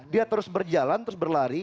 dia terus berjalan terus berlari